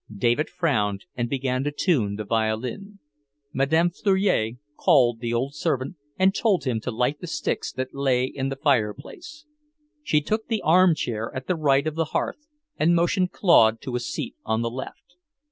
David frowned and began to tune the violin. Madame Fleury called the old servant and told him to light the sticks that lay in the fireplace. She took the arm chair at the right of the hearth and motioned Claude to a seat on the left.